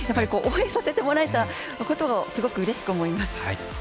応援させてもらえたことをすごくうれしく思います。